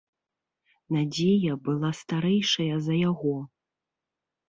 Надзея была старэйшая за яго.